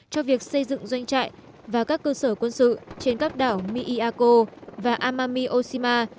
cho việc xây dựng doanh trại và các cơ sở quân sự trên các đảo miyako và amami oshima